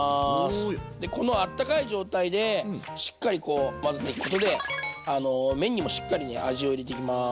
このあったかい状態でしっかり混ぜていくことで麺にもしっかり味を入れていきます。